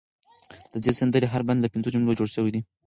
د دې سندرې هر بند له پنځو جملو جوړ شوی دی.